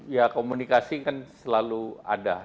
ya komunikasi kan selalu ada